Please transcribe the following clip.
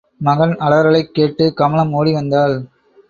மகன் அலறலைக் கேட்டு கமலம் ஓடிவந்தாள்.